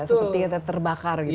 seperti kita terbakar gitu